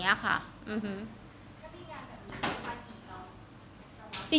ถ้ายังงานแบบนี้ช่วยฝ่านกี่รถ